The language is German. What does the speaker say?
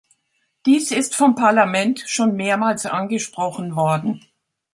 Dies ist vom Parlament schon mehrmals angesprochen worden.